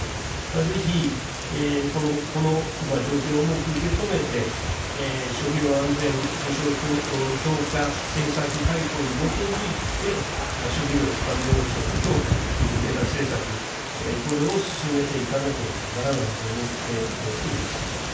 ぜひ、この状況を重く受け止めて、食料安全保障強化政策大綱に基づいて、食料安全保障の強化に向けた政策、これを進めていかなければならないと思っております。